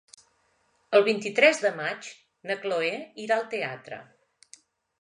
El vint-i-tres de maig na Chloé irà al teatre.